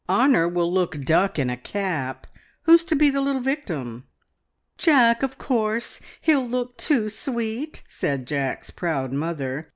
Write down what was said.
Honor will look a duck in a cap. Who's to be the little victim?" "Jack, of course. He'll look too sweet," said Jack's proud mother.